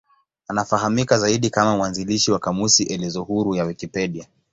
Anafahamika zaidi kama mwanzilishi wa kamusi elezo huru ya Wikipedia.